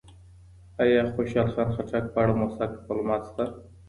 ایا خوشحال خان خټک په اړه موثق معلومات شته؟